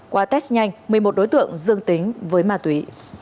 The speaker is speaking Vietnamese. qua test nhanh một mươi một đối tượng dương tính với ma túy